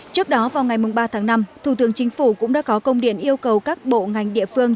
trước đó vào ngày ba tháng năm thủ tướng chính phủ cũng đã có công điện yêu cầu các bộ ngành địa phương